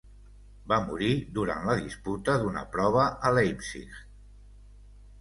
Va morir durant la disputa d'una prova a Leipzig.